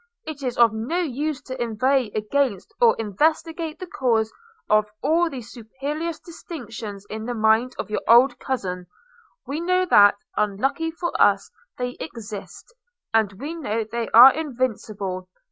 It is of no use to inveigh against, or investigate the cause of all these supercilious distinctions in the mind of our old cousin: we know that, unluckily for us, they exist; and we know they are invincible.